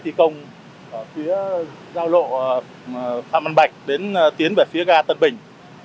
thi công ở phía giao lộ phạm văn bạch đến tiến về phía ga tân bình